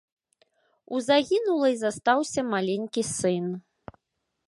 У загінулай застаўся маленькі сын.